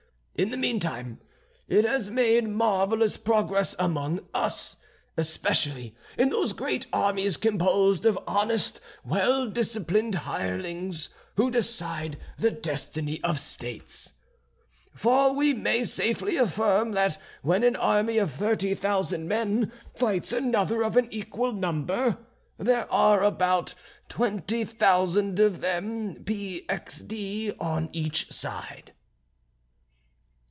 In the meantime, it has made marvellous progress among us, especially in those great armies composed of honest well disciplined hirelings, who decide the destiny of states; for we may safely affirm that when an army of thirty thousand men fights another of an equal number, there are about twenty thousand of them p x d on each side."